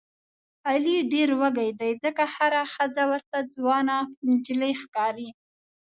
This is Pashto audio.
علي ډېر وږی دی ځکه هره ښځه ورته ځوانه نجیلۍ ښکاري.